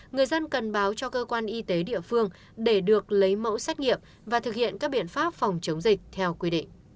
người dân cần báo cho cơ quan y tế địa phương để được lấy mẫu xét nghiệm và thực hiện các biện pháp phòng chống dịch theo quy định